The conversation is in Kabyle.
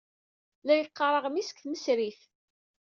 La yeqqar aɣmis deg tmesrit.